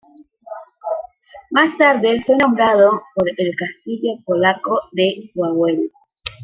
Más tarde fue nombrado por el castillo polaco de Wawel.